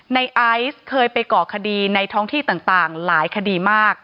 ในไอซ์เคยไปก่อคดีในท้องที่ต่างหลายคดีมาก